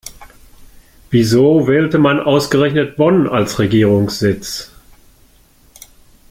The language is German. Wieso wählte man ausgerechnet Bonn als Regierungssitz?